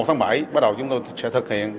sáu tháng bảy bắt đầu chúng tôi sẽ thực hiện